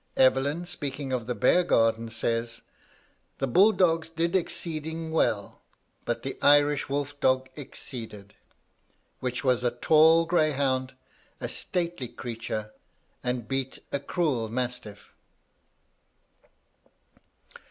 Evelyn, speaking of the bear garden, says, 'The bull dogs did exceeding well, but the Irish wolf dog exceeded; which was a tall greyhound, a stately creature, and beat a cruel mastiff.'